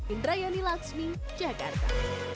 indrayani laksmi jakarta